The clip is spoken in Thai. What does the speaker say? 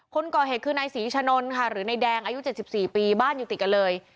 คนก่อเหตุคือนายศรีชะนนค่ะหรือนายแดงอายุ๗๔ปีบ้านอยู่ติดกันเลย